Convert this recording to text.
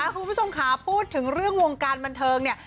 คุณผู้ชมค่ะพูดถึงเรื่องวงการบันเทิงเนี่ย